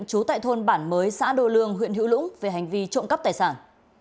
trú tại thôn bản mới xã đô lương huyện hữu lũng về hành vi trộm cắp tài sản